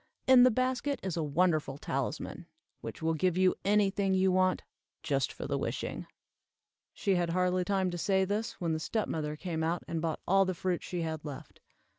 In the basket is a wonderful talisman, which will give you any thing you want, just for the wishing." She had hardly time to say this, when the step mother came out, and bought all the fruit she had left.